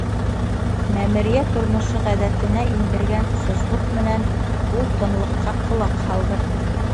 Мәмерйә тормошо ғәҙәтенә индергән сослоҡ менән ул тынлыҡҡа ҡолаҡ һалды.